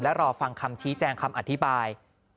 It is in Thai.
และรอฟังคำชี้แจงคำอธิบาย